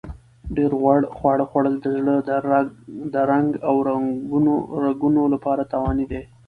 ډېر غوړ خواړه خوړل د زړه د رنګ او رګونو لپاره تاواني دي.